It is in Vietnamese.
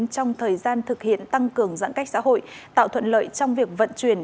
trong thời gian thực hiện tăng cường giãn cách xã hội tạo thuận lợi trong việc vận chuyển